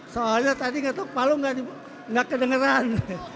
soalnya tadi ngetok palung gak kedengeran